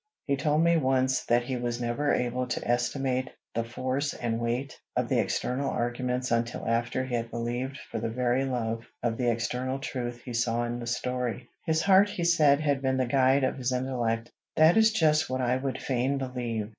He told me once that he was never able to estimate the force and weight of the external arguments until after he had believed for the very love of the eternal truth he saw in the story. His heart, he said, had been the guide of his intellect." "That is just what I would fain believe.